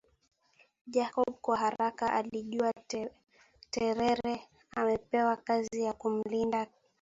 Jacob kwa haraka alijua Tetere amepewa kazi ya kumlinda Hakizemana